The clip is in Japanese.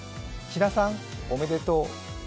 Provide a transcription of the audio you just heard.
ヒダさん、おめでとう。